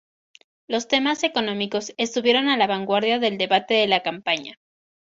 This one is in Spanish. Los temas económicos estuvieron a la vanguardia del debate de la campaña.